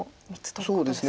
そうですね。